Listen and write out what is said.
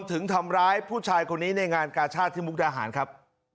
ถึงทำร้ายผู้ชายคนนี้ในงานกาชาติที่มุกดาหารครับ